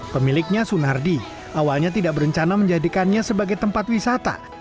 pemiliknya sunardi awalnya tidak berencana menjadikannya sebagai tempat wisata